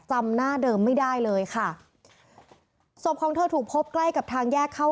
จำหน้าเดิมไม่ได้เลยค่ะศพของเธอถูกพบใกล้กับทางแยกเข้า